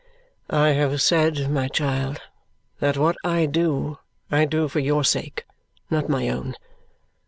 "I have said, my child, that what I do, I do for your sake, not my own.